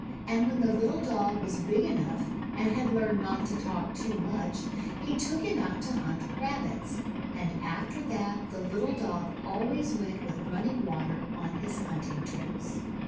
And when the little Dog was big enough, and had learned not to talk too much, he took him out to hunt Rab / bits. And after that the little Dog always went with Running Water on his hunting trips.